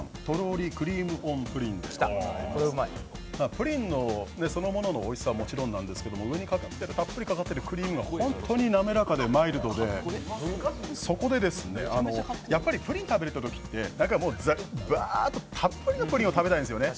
プリンそのもののおいしさはもちろんなんですけど上にたっぷりかかってるクリームがほんとに滑らかでマイルドで、そこでですね、やっぱりプリン食べる時ってうわーっとたっぷりのプリン食べたいんですね。